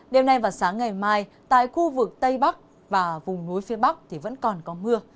đêm nay và sáng ngày mai tại khu vực tây bắc và vùng núi phía bắc thì vẫn còn có mưa